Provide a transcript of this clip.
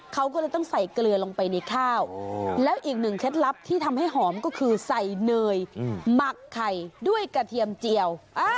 เขาก็เลยต้องใส่เกลือลงไปในข้าวแล้วอีกหนึ่งเคล็ดลับที่ทำให้หอมก็คือใส่เนยหมักไข่ด้วยกระเทียมเจียว